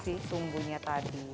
si sumbunya tadi